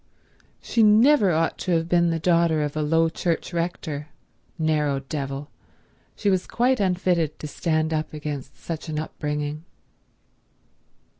She never ought to have been the daughter of a low church rector—narrow devil; she was quite unfitted to stand up against such an upbringing.